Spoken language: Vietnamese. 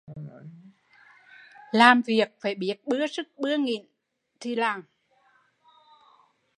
Làm việc phải biết bưa sức bưa nghỉn thì làm